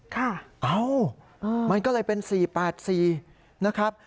เอ้ามันก็เลยเป็น๔๘๔นะครับ